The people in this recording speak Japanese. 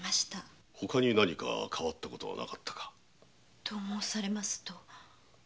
ほかに何か変わったことはなかったか？と申されますと？